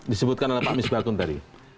disebutkan oleh pak misbah kun tadi